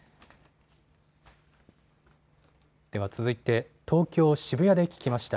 では続いて東京渋谷で聞きました。